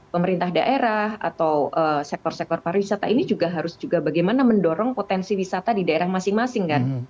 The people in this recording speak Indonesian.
pemerintah daerah atau sektor sektor pariwisata ini juga harus juga bagaimana mendorong potensi wisata di daerah masing masing kan